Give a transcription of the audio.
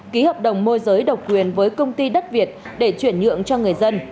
ký hợp đồng môi giới độc quyền với công ty đất việt để chuyển nhượng cho người dân